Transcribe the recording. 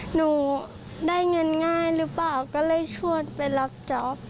หนูได้เงินง่ายหรือเปล่าก็เลยชวนไปรับจอบ